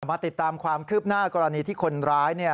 มาติดตามความคืบหน้ากรณีที่คนร้าย